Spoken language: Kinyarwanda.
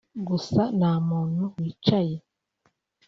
ʺGusa nta muntu wicaye